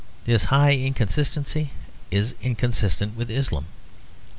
This high inconsistency is inconsistent with Islam.